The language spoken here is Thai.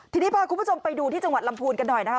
ทีนี้พาคุณผู้ชมไปดูที่จังหวัดลำพูนกันหน่อยนะคะ